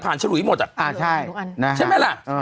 ผ่านฉรุยหมดนะอ่ะใช่ใช่ไหมล่ะอ๋อฮะ